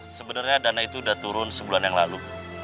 sebenernya dana itu udah turun sebulan yang lalu